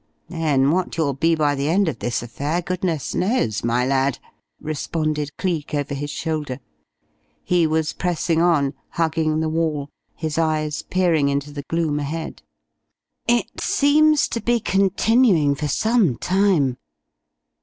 "Then what you'll be by the end of this affair, goodness knows, my lad!" responded Cleek, over his shoulder. He was pressing on, hugging the wall, his eyes peering into the gloom ahead. "It seems to be continuing for some time.